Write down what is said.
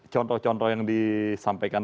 contoh contoh yang disampaikan